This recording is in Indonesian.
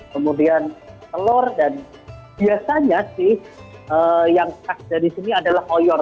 kemudian telur dan biasanya sih yang tak ada di sini adalah koyor